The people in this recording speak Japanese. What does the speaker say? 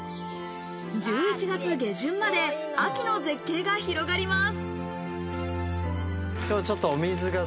１１月下旬まで秋の絶景が広がります。